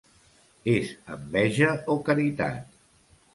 És enveja o caritat?